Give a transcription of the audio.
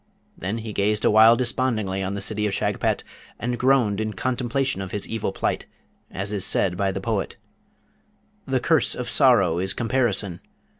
Then gazed he awhile despondingly on the city of Shagpat, and groaned in contemplation of his evil plight, as is said by the poet: The curse of sorrow is comparison!